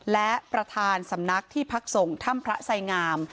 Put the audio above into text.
และประธานสำนักที่พักส่งถ้ำพระไสงาม